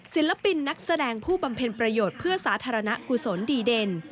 ศิลปินนักแสดงผู้บำเพ็ญประโยชน์เพื่อสาธารณะกุศลดีเด่น